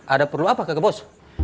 ada perlu apa kakak bos